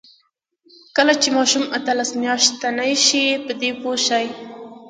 کله چې ماشوم اتلس میاشتنۍ شي، په دې پوه شي.